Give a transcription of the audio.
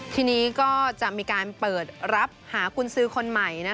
ทีนี้ก็จะมีการเปิดรับหากุญสือคนใหม่